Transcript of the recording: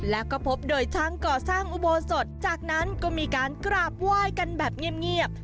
แล้วก็พบโดยช่างก่อสร้างอุโบสถจากนั้นก็มีการกราบไหว้กันแบบเงียบ